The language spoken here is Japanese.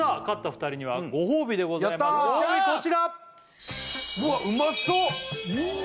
勝った２人にはご褒美でございますやったご褒美